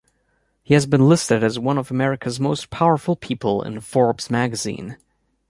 He has been listed as one of America's Most Powerful People in "Forbes" magazine.